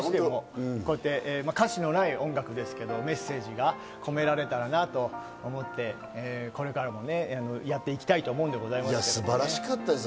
歌詞のない音楽ですけど、メッセージが込められたらなと思って、これからもやっていきたいと思うんでございますけどね。